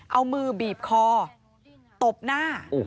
เอามือบีบคอตบหน้า